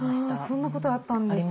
そんなことがあったんですね。